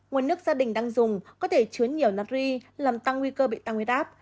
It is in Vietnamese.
nguồn nước gia đình đang dùng có thể chứa nhiều nát ri làm tăng nguy cơ bị tăng nguyết áp